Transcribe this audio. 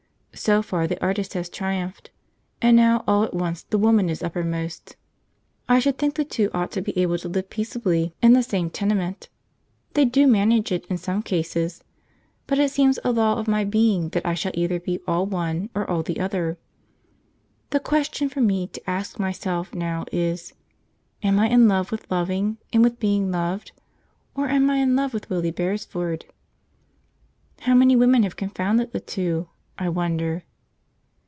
So far the artist has triumphed, and now all at once the woman is uppermost. I should think the two ought to be able to live peaceably in the same tenement; they do manage it in some cases; but it seems a law of my being that I shall either be all one or all the other. The question for me to ask myself now is, "Am I in love with loving and with being loved, or am I in love with Willie Beresford?" How many women have confounded the two, I wonder?